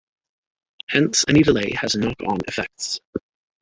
Hence any delay has knock on effects.